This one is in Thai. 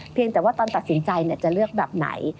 แต่ว่าตอนตัดสินใจจะเลือกแบบไหน